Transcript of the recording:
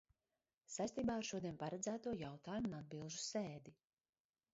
Saistībā ar šodien paredzēto jautājumu un atbilžu sēdi.